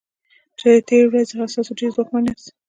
چې د تیرې ورځې څخه تاسو ډیر ځواکمن یاست.